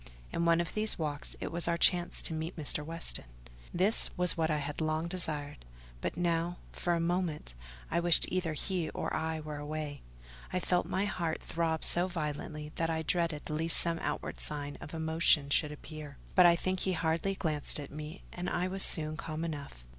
In one of these walks, it was our chance to meet Mr. Weston. This was what I had long desired; but now, for a moment, I wished either he or I were away: I felt my heart throb so violently that I dreaded lest some outward signs of emotion should appear; but I think he hardly glanced at me, and I was soon calm enough.